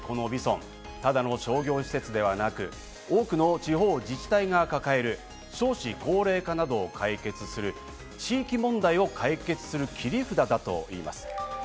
さらにこのＶＩＳＯＮ、ただの商業施設ではなく、多くの地方自治体が抱える少子高齢化などを解決する地域問題を解決する切り札だといいます。